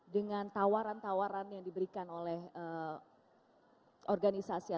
dengan tawaran tawaran yang diberikan oleh organisasi atau negara